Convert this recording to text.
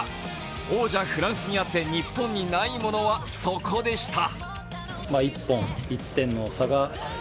王者・フランスにあって、日本にないものはそこでした。